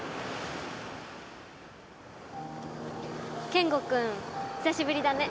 健吾君久しぶりだね。